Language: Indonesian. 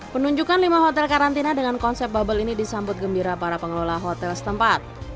penunjukan lima hotel karantina dengan konsep bubble ini disambut gembira para pengelola hotel setempat